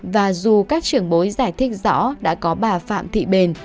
và dù các trưởng bối giải thích rõ đã có bà phạm thị bền